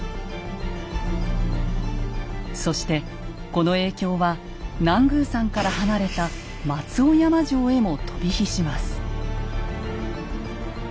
そしてこの影響は南宮山から離れた松尾山城へも飛び火します。